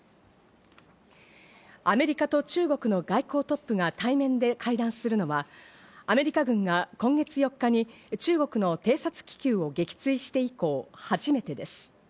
アメリカと中国の外交トップが対面で会談するのはアメリカ軍が今月４日に中国の偵察気球を撃墜して以降、初めてです。